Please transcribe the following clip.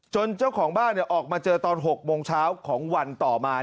เจ้าของบ้านออกมาเจอตอน๖โมงเช้าของวันต่อมา